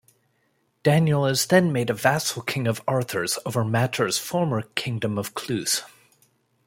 Daniel is then made a vassal-king of Arthur's over Matur's former Kingdom of Cluse.